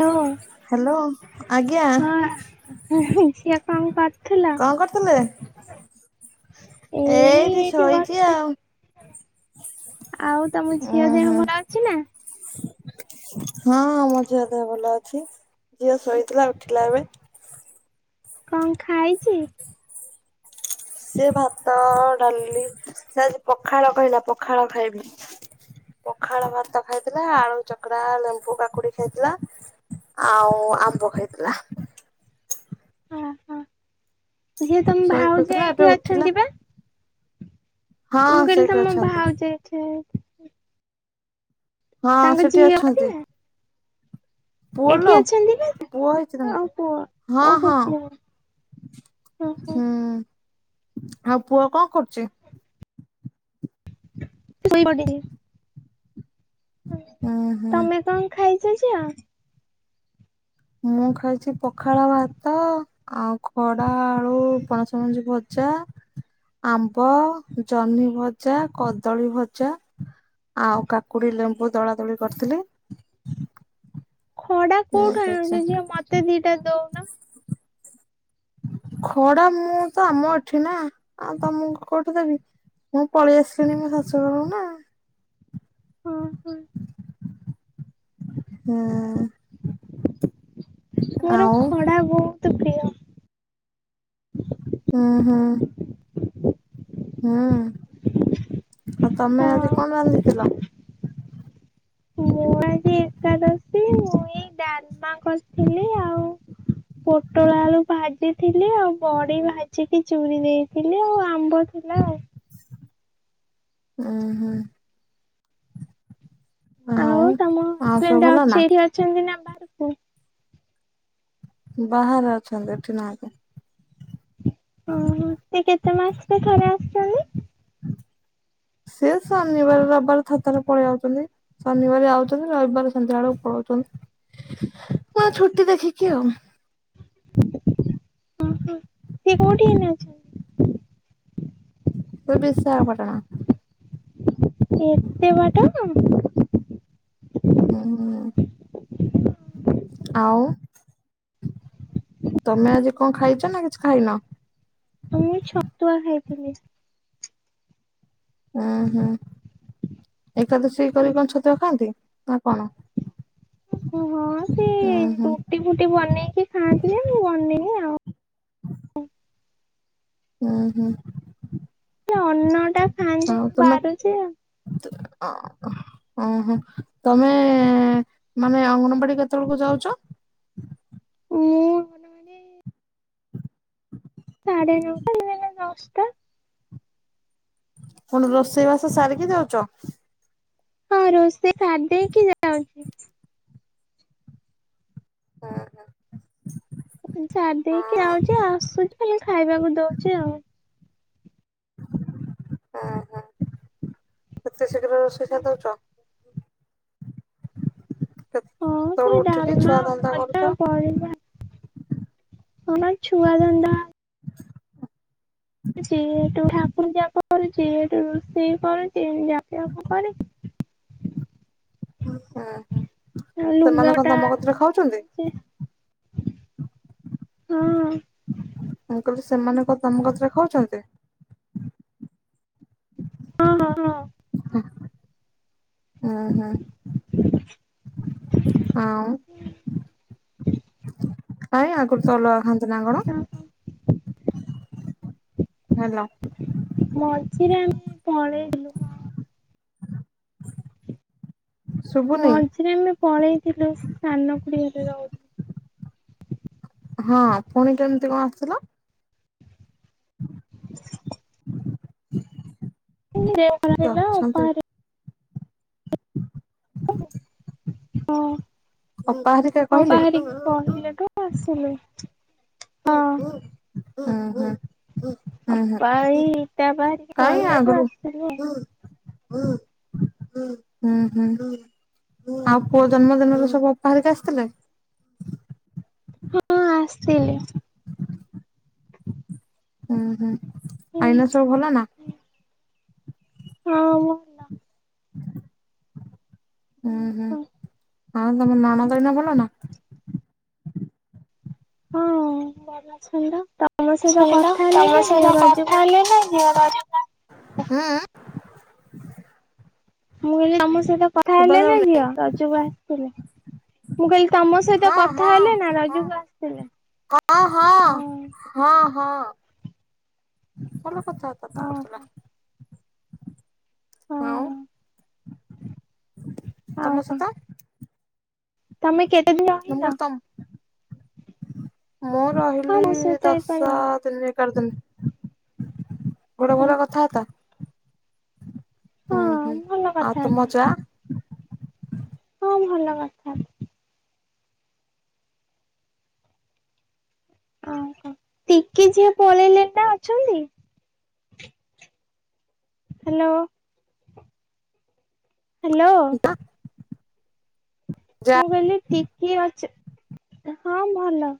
[unintelligible] Hello ଆଜ୍ଞା ହଁ ଝିଅ କଣ କରୁଥିଲ? କଣ କରୁଥିଲେ? ଏଇ ଏଇଠି ଶୋଇଛି ବସିଛି। ଆଉ। ଆଉ ତମ ଉୁଁ ଝିଅ ଦେହ ହୁଁ ଭଲ ଅଛି ନା? ହଁ ମଝିଆ ଦେହ ଭଲ ଅଛି। ଅଛି, ଝିଅ ଶୋଇଥିଲା ଉଠିଲା ଏବେ। କଣ ଖାଇଛି? ସେ ଭାତ, ଡାଲି ସେ ପଖାଳ କହିଲା ପଖାଳ ଖାଇବି। ପଖାଳ ଭାତ ଖାଇଥିଲା, ଆଳୁ ଚକରା, ଲେମ୍ବୁ, କାକୁଡି ଖାଇଥିଲା। ଆଉ ଆମ୍ବ ଖାଇଥିଲା। ଓ ହୋ ଯିଏ ତମ ଶୋଇ ଭାଉଜ ପଡିଥିଲା ଏବେ ଏଇଠି ଉଠିଲା ଅଛନ୍ତି ବା? ମୁଁ ହଁ କହିଲି ସେଇଠି ତମ ଅଛନ୍ତି। ଭାଉଜ ଏଠି ହଁ ତାଙ୍କ ସେଠି ଝିଅ ଅଛି ଅଛନ୍ତି। ନା? ପୁଅ ଲୋ ଏଠି ଅଛନ୍ତି ନା? ପୁଅ ହେଇଛି ଆଉ ପୁଅ ତାଙ୍କର ହଁ - ଓହୋ ହଁ। ପୁଅ ଓହୋ ହୁଁ ଆଉ ପୁଅ କଣ କରୁଚି? ଶୋଇ ପଡିଛି। ହୁଁ ହୁଁ ତମେ କଣ ଖାଇଛ ଝିଅ? ମୁଁ ଖାଇଛି ପଖାଳ ଭାତ ଆଉ ଖଡ଼ା, ଆଳୁ, ପଣସ ମଞ୍ଜି ଭଜା। ଆମ୍ବ, ଜହ୍ନି ଭଜା, କଦଳୀ ଭଜା। ଆଉ କାକୁଡି, ଲେମ୍ବୁ ଦଳାଦଳି କରିଥିଲି। ଖଡା କୋଉଠୁ ଆଣୁଛ ଯେ, ମତେ ଦିଟା ଦଉନ? ଖଡା ମୁଁ ତ ଆମ ଏଠି ନା, ଆଉ ତମକୁ କୋଉଠୁ ଦେବି? ମୁଁ ପଳେଇ ଆସିଲିଣି ମୋ ଶାଶୁ ଘରକୁ ନା। ହଁ ହଁ ହୁଁ। ମୋର ଆଉ ଖଡା ବହୁ ହୁଁ- ହୁଁ। ହୁଁ ଆଉ ତମେ ଆଜି ହଁ କଣ ରାନ୍ଧିଥିଲ? ମୁଁ ଆଜି ଏକାଦଶୀ ମୁଁ ଏଇ ଡାଲମା କରିଥିଲି ଆଉ ପୋଟଳ ଆଳୁ ଭାଜିଥିଲି ଆଉ, ବଡି ଭାଜିକି ଚୁରି ଦେଇ ଥିଲି, ଆଉ ଆମ୍ବ ଥିଲା ଆଉ। ଉଁ - ହୁଁ। ଆଉ ତମ ଆଉ ସବୁ ହଜବେଣ୍ଡ ଭଲ ନା ଅଛି, ଏଇଠି ଅଛନ୍ତି ନା ବାହାରକୁ ବାହାରେ ଅଛନ୍ତି ଏଠି ନାହାଁନ୍ତି। ଓ ହୋ ସେ କେତେ ମାସରେ ଥରେ ଆସୁଛନ୍ତି? ସେ ଶନିବାର ରବିବାର ଥରେ ଥରେ ପଳେଇ ଆଉଛନ୍ତି, ଶନିବାର ଆଉଛନ୍ତି ରବିବାର ସନ୍ଧ୍ୟାବେଳକୁ ପଳଉଛନ୍ତି, [unintelligible] ଛୁଟି ଦେଖିକି ଆଉ। ଓ ହୋ ସେ କୋଉଠି ଏଇନେ ଅଛନ୍ତି? ସେ ବିଶାଖାପଟଣା। ଏତେ ବାଟ? ହଁ ଆଉ ତମେ ଆଜି କଣ ଖାଇଛ ନା କିଛି ଖାଇନ? ମୁଁ ଏଇ ଛତୁଆ ଖାଇଥିଲି। ଉୁଁ ହୁଁ ଏକାଦଶଇ କରିକି କଣ ଛତୁଆ ଖାଆନ୍ତି ନା କଣ ହଁ ସେ ଉୁଁ ହୁଁ ରୁଟି ଫୁଟି ବନେଇକି ଖାଆନ୍ତି ଯେ ମୁ ବନେଇବି ଆଉ ହୁଁ ହୁଁ ହୁଁ ସେ ଅନ୍ନ ଟା ଖାଆନ୍ତି ବାହାରୁଛି ଆଉ ତୁ ଅ ଓହୋ ତମେ ମାନେ ଅଙ୍ଗନବାଡି କେତେବେଳକୁ ଯାଉଛ ମୁଁ ମାନ ହୁଁ ସାଢେ ଏଗାର ଟା ନହେଲେ ଦଶ ଟା ପୁଣି ରୋଷେଇବାସ ସାରିକି ଯାଉଛ ହଁ ରୋଷେଇ ଖାଧେଇକି ଯାଉଛି ହଁ ହୁଁ ଛା ଡ଼ି ଦେଇକି ଆଉଛି ଆସୁଛି ଖଲି ଖାଇବାକୁ ଦଉଛି ଆଉ ହୁଁ ହୁଁ ଏତେ ଶୀଘ୍ର ରଷେଇ କରି ଦେଉଛ କେ ହଁ ସେ ତେଳୁ ଉଠିକି ଡାଲମା ଛୁଆ ଧନ୍ଧା ଭଜା କରୁଛ ଉନା ଛୁଆ ଧନ୍ନ୍ଦା [inaudible] ଯେତୁ ଠାକୁର ଜାପ କରୁଛିଠୁ ରୋଷେଇ କରୁଛି ଜ ଜ କରି ହୁଁ ହୁଁ ଆ ସେମାନେ ଲୁଙ୍ଗା କଣ ଟା ତମ କତିରେ ଖାଉଛନ୍ତି? ନେଇଛ ହଁ ମୁ କଲି ସେମାନେ କ ତମ କଥରେ ଖାଉଛନ୍ତି? ହଁ ହଁ ହଁ ହୁଁ ହୁଁ [inaudible] ଆଉ ହୁଁ ହ କାଇଁ ଆଗରୁ ତ ଅଲଗା ଖାନ୍ତି ନା କଣ ହ ହେଲା ମଝିରେ ଆମେ ପଳେଇଲୁ ଶୁଭୁନି ମଝିରେ ଆମେ ପଳେଇଥିଲୁ ସେ ସାନ ଖୁଡି ଘରେ ରହୁ ହଁ ପୁଣି କେମତି କଣ ଆସିିଲ [inaudible] ପୁଣି ଦେହ ଖରାପ କିଏ ହେଲା ଅଛନ୍ତି? ଉପାହରେ ହ ଅପା ହେରିକା ହଁ କହିଲେ? ହୁଁ ବାହାରିକି କହିଲେ ଠୁ ଆସିଲୁ ହଁ ହଁ ହଁ ହଁ ହଁ ଅପା ଏ ଇଟା ବାହାରିକି କାଇଁ କହିଲାଠୁ ଆଗରୁ ଆସିଥିଲୁ ହୁଁ ହୁଁ ଆଉ ପୁଅ ଜନ୍ମଦିନରୁ ସବୁ ଅପାହାରିକି ଆସିଥିଲେ ହଁ ଆସିଥିଲି ହୁଁ ହୁଁ ହୁଁ ଆଇନ ସବୁ ଭଲ ନା ହଁମନା ହୁଁ ହୁଁ ହଁ ଆଉ ତମ ନଣନ୍ଦ ଏଇନା ଭଲ ନା? ହଁ ଭଲ ଅଛନ୍ତି ତ ତ ଶୁଣିଲ ତମ ସହିତ କଥା ଆ ହେଲେ ମୋର [unintelligible] ମୁଁ କାହିଲି ତମ ସହିତ କଥା ଶୁଭା ହେଲେ ନା ଯାଉନି? ଝିଅ ରଜକୁ ଆସୁନି। ମୁଁ କହିଲି ତମ ସହିତ ହଁ କଥା ହଁ ହେଲେ ନା ହଁ ରଜକୁ ଆସିଲେ ହଁ ହଁ। ହଁ ହଁ ଭଲ କଥା ବାର୍ତ୍ତା ତ ଓହୋ କରୁଥିଲା। ହଁ ଆଉ ଆଉ ତମ କଣ ସହିତ। ତମେ କେତେ [unintelligible] ମୁଁ ରହିଲ। କହିଲି ତମ ମୁଁ ହଁ ରହିଲି ମୋ ସହିତ ଏଇପା ଦଶ ଗଲା। ଦିନି ଏଗାର ଦିନି। ଗୋଟେ ଓ [unintelligible] କଥା ବାର୍ତ୍ତା ହୁଁ ହଁ ହୁଁ ଭଲ ଆଉ ତମ କଥାବାର୍ତ୍ତା। ଜାଆ? ହଁ ଭଲ କଥା। ଅହ ଟିକି ଝିଅ ପଳେଇଲେଣି ନା ଅଛନ୍ତି? ହ୍ୟାଲୋ। ହ୍ୟାଲୋ। [unintelligible] ଯା ମୁଁ କହିଲି ଟିକି ଅଛ ହଁ ଭଲ।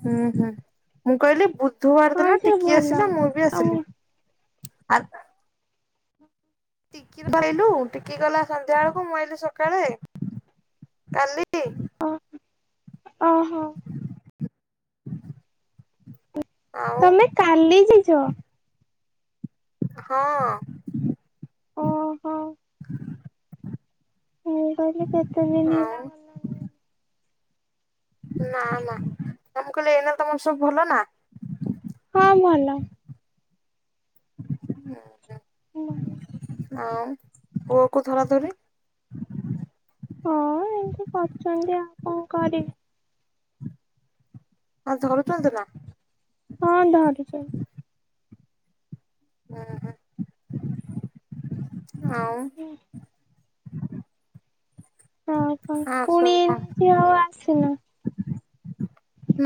ହୁଁ ହୁଁ ମୁଁ କହିଲି ବୁଧବାର ହଁ ଦିନ ଝିଅ ଟିକି ଭଲ ଆସିଲା ମୁଁ ବି ଆଉ ଆସିଲି। ଆଉ [unintelligible] ଟିକି ର ଆଇଲୁ ଟିକି ଗଲା ସନ୍ଧ୍ୟା ବେଳକୁ ମୁଁ ଆଇଲିି ସକାଳେ କାଲି ଓ ଓହୋ। ହଁ। [unintelligible] ତମେ କାଲି ଯାଇଛ। ହଁ। ଓହୋ। ମୁଁ କହିଲି କେତେ ଦିନ ହେଲା ଆଉ ଗଲାଣି ନା ନା ମୁଁ କହିଲେ ଏଇନା ତମର ସବୁ ଭଲ ନା? ହଁ ଭଲ। ନା ନା। [unintelligible] ଆଉ ପୁଅକୁ ଧରାଧରି? ହଁ ଏମିତି କରୁଛନ୍ତି ଆଉ କଣ କରିବି? ଆଜି ସକାଳୁ ଚନ୍ଦିଲା ହଁ ଧରୁଚି। ଅହ ଆଉ ଆଉ ସବୁ କ? ସିଏ ଆଉ ଆସିନି।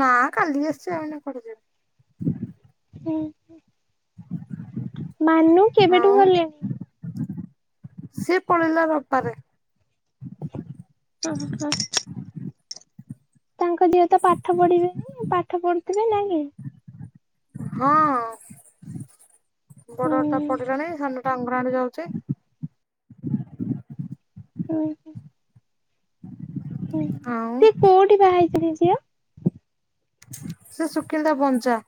ନା କାଲିିକି ଆସିଛି ଏଇନା କୁଆଡେ ଯିବି। ହୁଁ। ମାନୁ କେବେଠୁ ଆଉ ଗଲେଣି ସିଏ ପଳେଇଲା ରବିବାରେ। ଓ ହଁ [unintelligible] ତାଙ୍କ ଝିଅ ତ ପାଠ ପଢିବେନି ପାଠ ପଢୁଥିବେ ନା କି? ହଁ ହୁଁ ବଡ ଟା ପଢ଼ିଲାଣି ସାନ ଟା ଅଙ୍ଗନୱାଡି ଯାଉଛି। ହୁଁ ହୁଁ। ହୁଁ ହୁଁ ଆଉ ସିଏ କୋଉଠି ବାହା ହେଇଥିଲେ ସିଏ। ସେସୁକିନ୍ଦାବଞ୍ଚା।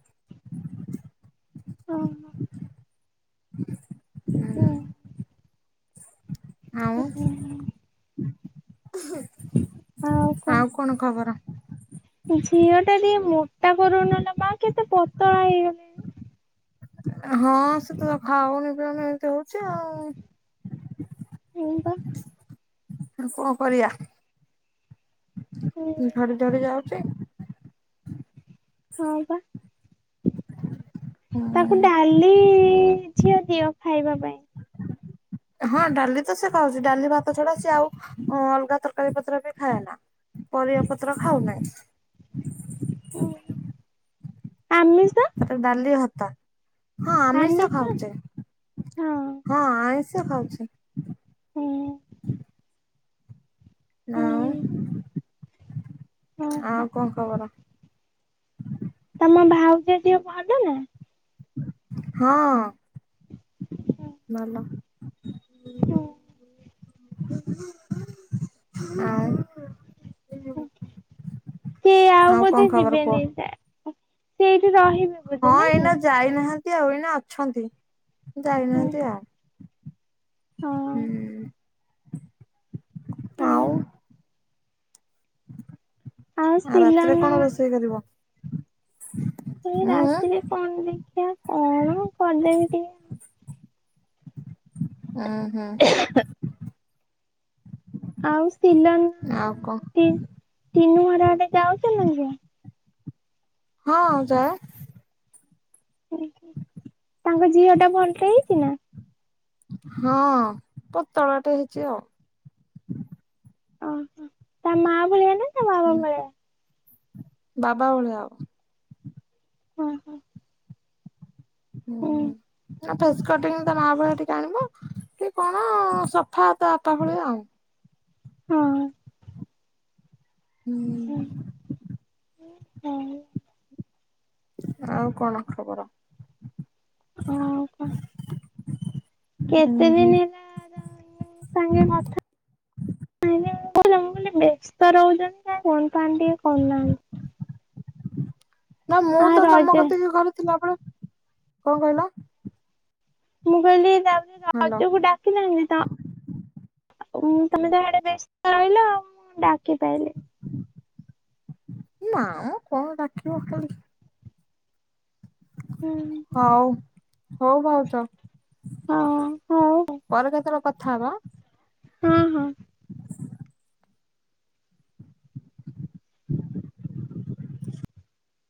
ହୁଁ। ଆଉ ଆଉ କଣ ଖବର? ଝିଅ ଟା ଟିକେ ମୋଟା କରୁନ ଲୋ ମା କେତେ ପତଳା ହେଇଗଲେ। ହଁ ସେତ ଖାଉନି ପିଉନି ଏମିତି ହଉଛି ଆଉ। ହଁ ବା କଣ କରିବା? ହୁଁ ଝଡି ଝଡି ଯାଉଛି। ହଁ ପା ତାକୁ ହୁଁ ଡା କାଲି ଝିଅ ଦିଅ ଖାଇବା ପାଇଁ ହଁ ଡାଲି ତ ସେ ଖାଉଛି ଡାଲି ଭାତ ଛଡା ସିଏ ଆଉ ଅଲଗା ତରକାରୀ ପତ୍ର ବି ଖାଏ ନା। ପରିବା ପତ୍ର ଖାଉନାହିଁ। କୁ ଆମିଷ। ଡାଲି ଭାତ, ହଁ ଆମିଷ ଖାଉଛେ। ହଁ ଆଇଁଷ ଖାଉଛି। ହୁଁ। ନାଁଉଁ ହୁଁ। ଓହୋ ଆଉ କଣ ଖବର? ତମ ଭାଉଜ ଦିହ ଭଲ ନା? ହଁ। [unintelligible] ଭଲ। ଆଉଁ ସେ ଆଉ କଣ ବୋଧେ ଖବର କୁହ? ଯିବେନି ସିଆଡ଼େ। ସେ ଏଇଟି ରହିବେ। ବୋଧେ ହଁ ନା କି? ଏଇନା ଯାଇନାହାନ୍ତି ଆଉ ଏଇନା ଅଛନ୍ତି ହୁଁ ଯାଇନାହାନ୍ତି ଆଉ। ହଁ ହୁଁ। ତାଉଁ। ଆଉ ରାତିରେ କଣ ରୋଷେଇ କରିବ? ଏଇ ଉଁ ରାତିରେ କଣ ଦେଖିବା କଣ କଲେବି ଉଁ, ହୁଁ। ଆଉ ସିଲନ୍ ଆଉ କଣ ସି ସିନୁ ଘରଆଡେ ଯାଉଛନି। ହଁ ଯାଏ। ତାଙ୍କ ଝିଅ ଟା ଭଲରେ ହେଇଛି ନା? ହଁ ପତଳାଟେ ହେଇଛି ଆଉ। ଓହୋ, ତା ମା ଭଳିଆ ନା ତା ବାବା ଭଳିଆ। ବାବା ଭଳିଆ ହବ। ହୁଁ, ହୁଁ। ହୁଁ। ତା ଫେସ୍ କଟିଂ ତା ମା ଭଳିଆ ଟିକେ ଆଣିବ କି କଣ ସଫା ତ ବାପା ଭଳିଆ ଆଉ। ହଁ। ହୁଁ। ଆଉ କଣ ଖବର? ହଁ। [unintelligible] ଉଁ କେତେ ହୁଁ ଦିନ ହେଲା ତା ଭଉଣୀ ସାଙ୍ଗେ କଥା ନାଇଁ କି କହୁଛ ମୁଁ କହିଲି ବ୍ୟସ୍ତ ରହୁଛନ୍ତି ନା କଣ ଫୋନ୍ ଫାନ୍ ଟିକେ କରୁ ନାହାଁନ୍ତି। ନା ମୁଁ ଆ ତ ତମ ରଜ କତିକି କରିଥିଲା ବେଳେ କଣ କହିଲ? ମୁଁ କହିଲି ତାହଲେ ହାଲୋ ରଜକୁ ଡ଼ା କିଥାନ୍ତି ତ ଆଉ ତମେ ତାହେଲେ ବ୍ୟସ୍ତ ରହିଲ ଆଉ ମୁଁ ଡାକି ପାଇଲିିନି। ନାଁମ କଣ ଡାକିବ ଖାଲି ହୁଁ। ହଉ ହଉ ଭାଉଜ ହଁ ହଉ ପରେ କେତେଳେ କଥା ହବା। ହୁଁ ହୁଁ।